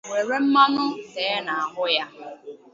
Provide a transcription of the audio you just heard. wèré mmanụ tee n'ahụ ya.